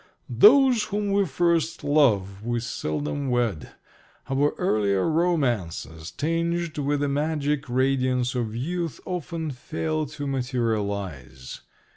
"Those whom we first love we seldom wed. Our earlier romances, tinged with the magic radiance of youth, often fail to materialize."